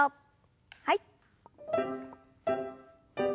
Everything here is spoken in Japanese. はい。